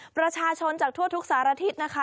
ประชาชนจากทั่วทุกสารทิศนะคะ